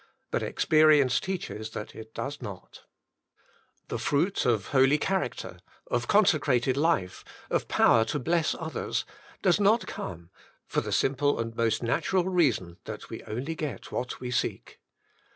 But experi ence teaches that it does not. The fruit of holy character, of consecrated life, of power to bless others, does not come, for the simple and most Holiness — The Chief Aim of Bible Study 135 natural reason that we only get what we seek.